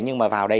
nhưng mà vào đây